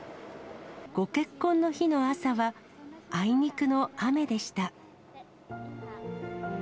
ご結婚の日の朝は、あいにくの雨でした。